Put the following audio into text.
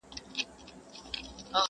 د دې رنګونو له بازار سره مي نه لګیږي!